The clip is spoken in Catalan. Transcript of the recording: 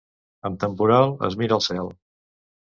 Amb temporal, es mira al cel.